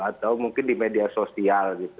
atau mungkin di media sosial gitu